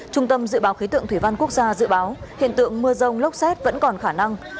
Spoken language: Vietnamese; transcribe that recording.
trung tâm dự báo khí tượng thủy văn quốc gia dự báo hiện tượng mưa rông lốc xét vẫn còn khả năng